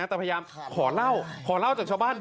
แต่หย่านขอเล่า